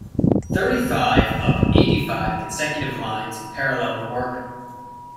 Thirty-five of eighty-five consecutive lines parallel the work.